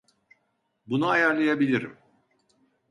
Bunu ayarlayabilirim.